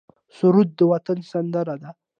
سرود د وطن سندره ده